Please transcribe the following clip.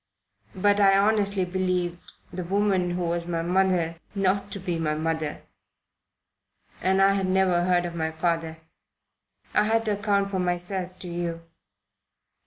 "But I honestly believed the woman who was my mother not to be my mother, and I had never heard of my father. I had to account for myself to you.